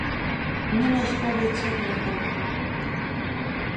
نیمه شپه به یې چیغې وهلې.